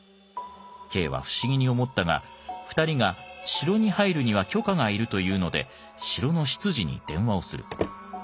Ｋは不思議に思ったが２人が「城に入るには許可が要る」と言うので城の執事に電話をする。